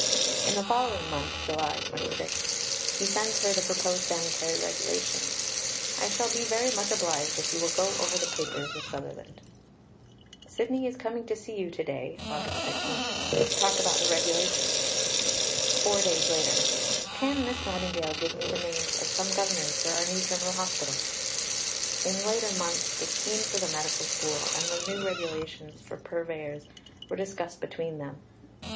In the following month (July 26), he sends her the proposed Sanitary Regulations: "I shall be very much obliged if you will go over the papers with Sutherland." "Sidney is coming to see you to day (Aug. 13) to talk about the Regulations." Four days later: "Can Miss Nightingale give me the names of some Governors for our new General Hospitals?" In later months, the scheme for the Medical School and the new Regulations for Purveyors were discussed between them.